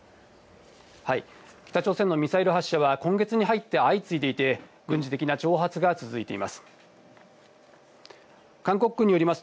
北朝鮮のミサイル発射は今月に入って相次いでいて、軍事的な挑発が続いています。